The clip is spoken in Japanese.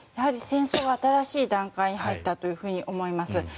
戦争は新しい段階に入ったと思います。